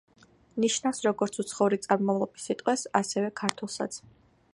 ნიშნავს როგორც უცხოური წარმომავლობის სიტყვებს, ასევე ქართულსაც.